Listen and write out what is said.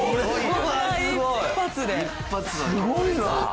すごいわ！